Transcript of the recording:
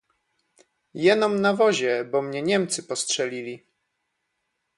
"Jenom na wozie, bo mnie Niemcy postrzelili."